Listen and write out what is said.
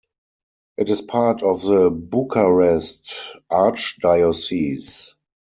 It is part of the Bucharest archdiocese.